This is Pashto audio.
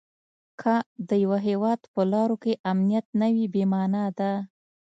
که د یوه هیواد په لارو کې امنیت نه وي بې مانا ده.